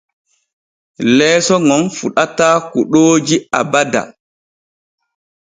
Leeso ŋon fuɗataa kuɗooji abada.